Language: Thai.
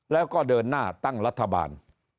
แล้วก็เดินหน้าตั้งรัฐบาล